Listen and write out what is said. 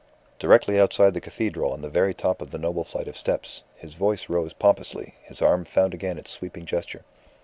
Directly outside the cathedral on the very top of the noble flight of steps, his voice rose pompously, his arm found again its sweeping gesture.